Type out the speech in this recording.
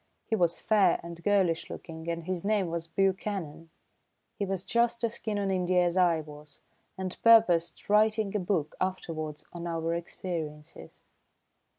He was fair and girlish looking, and his name was Buchanan. He was just as keen on India as I was, and purposed writing a book afterwards on our experiences.